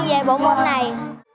về bộ môn này